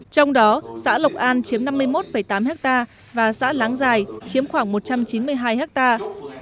trong đó xã lộc an chiếm năm mươi một tám hectare và xã láng giải chiếm khoảng một trăm chín mươi hai hectare